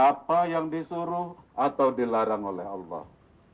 apa yang disuruh atau dilarang oleh allah